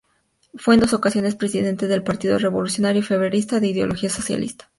Fue en dos ocasiones presidentes del Partido Revolucionario Febrerista, de ideología socialista.